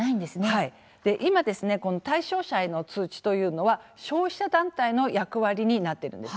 今、対象者への通知というのは消費者団体の役割になっているんです。